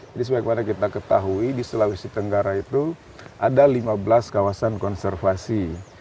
jadi sebagaimana kita ketahui di sulawesi tenggara itu ada lima belas kawasan konservasi